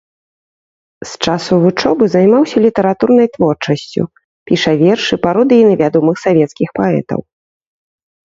З часу вучобы займаўся літаратурнай творчасцю, піша вершы, пародыі на вядомых савецкіх паэтаў.